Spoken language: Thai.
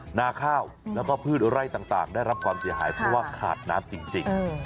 หน้าข้าวแล้วก็พืชไร่ต่างได้รับความเสียหายเพราะว่าขาดน้ำจริง